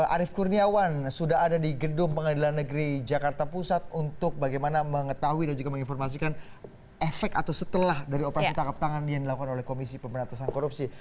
arief kurniawan sudah ada di gedung pengadilan negeri jakarta pusat untuk bagaimana mengetahui dan juga menginformasikan efek atau setelah dari operasi tangkap tangan yang dilakukan oleh komisi pemberantasan korupsi